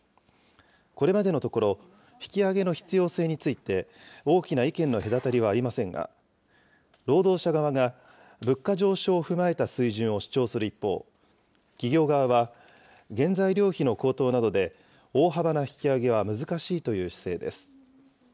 これまでのところ、引き上げの必要性について、大きな意見の隔たりはありませんが、労働者側が物価上昇を踏まえた水準を主張する一方、企業側は、原材料費の高騰などで大幅な引き上げは難しいという姿勢です。